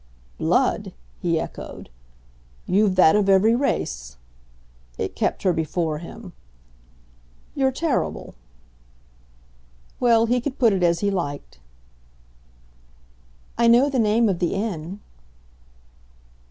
"'Blood'?" he echoed. "You've that of every race!" It kept her before him. "You're terrible." Well, he could put it as he liked. "I know the name of the inn."